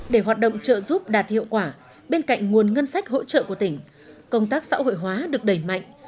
để hoạt động trợ giúp đạt hiệu quả bên cạnh nguồn ngân sách hỗ trợ của tỉnh công tác xã hội hóa được đẩy mạnh